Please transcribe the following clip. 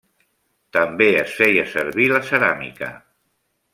També es feia servir la ceràmica.